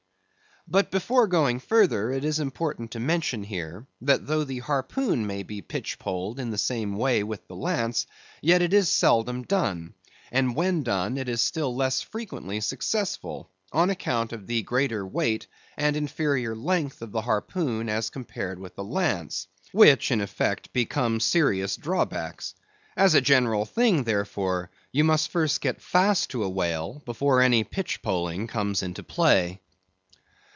But before going further, it is important to mention here, that though the harpoon may be pitchpoled in the same way with the lance, yet it is seldom done; and when done, is still less frequently successful, on account of the greater weight and inferior length of the harpoon as compared with the lance, which in effect become serious drawbacks. As a general thing, therefore, you must first get fast to a whale, before any pitchpoling comes into play.